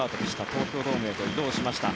東京ドームへと移動しました。